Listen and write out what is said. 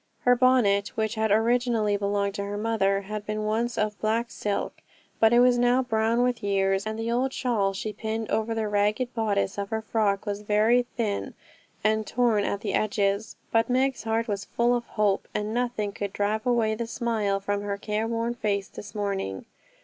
Her bonnet, which had originally belonged to her mother, had been once of black silk, but it was now brown with years, and the old shawl she pinned over the ragged bodice of her frock was very thin and torn at the edges; but Meg's heart was full of hope, and nothing could drive away the smile from her careworn face this morning.